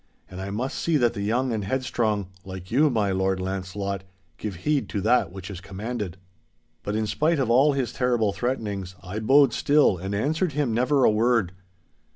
And I must see that the young and headstrong, like you, my Lord Launcelot, give heed to that which is commanded.' But in spite of all his terrible threatenings, I bode still and answered him never a word.